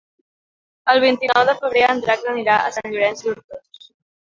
El vint-i-nou de febrer en Drac anirà a Sant Llorenç d'Hortons.